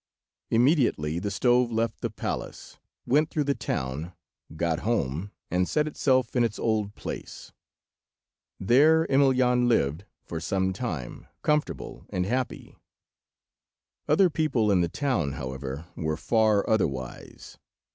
Immediately the stove left the palace, went through the town, got home, and set itself in its old place. There Emelyan lived for some time, comfortable and happy. Other people in the town, however, were far otherwise.